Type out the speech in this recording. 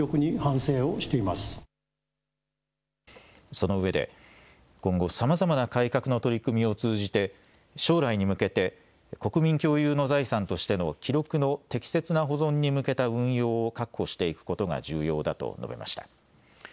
その上で、今後、さまざまな改革の取り組みを通じて、将来に向けて国民共有の財産としての記録の適切な保存に向けた運用を確保していくことが重要だと述べました。